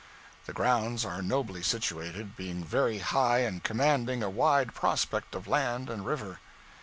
The grounds are nobly situated; being very high and commanding a wide prospect of land and river.